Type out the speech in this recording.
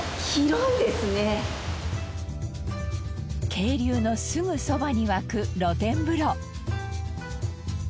渓流のすぐそばに湧く露天風呂。